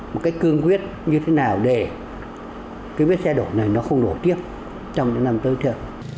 một cách cương quyết như thế nào để cái vết xe đổ này nó không đổ tiếp trong những năm tới chưa